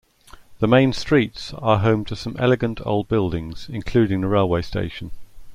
The main streets are home to some elegant old buildings, including the railway station.